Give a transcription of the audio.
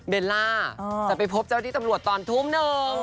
เวลาจะไปพบเจ้าที่ตำรวจตอนทุ่มหนึ่ง